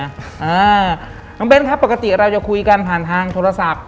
อ่าน้องเบ้นครับปกติเราจะคุยกันผ่านทางโทรศัพท์